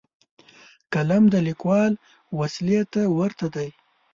قلم د لیکوال وسلې ته ورته دی